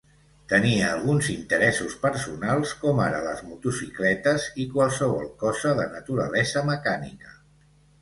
Tenia alguns interessos personals, com ara les motocicletes i qualsevol cosa de naturalesa mecànica.